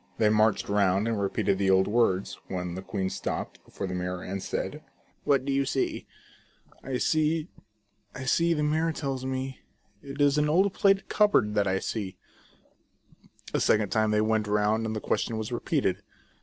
They marched round and repeated the old words,, when the queen stopped before the mirror, and said :" What do you see ?"" I see, I see, the mirror tells me, It is an old plate cupboard that I see." A second time they went round, and the question was repeated.